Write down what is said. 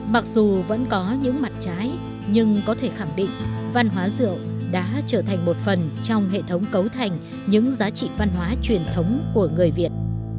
mặc dù vẫn có những mặt trái nhưng có thể khẳng định văn hóa rượu đã trở thành một phần trong hệ thống cấu thành những giá trị văn hóa truyền thống của người việt